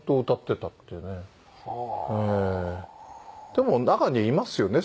でも中にはいますよね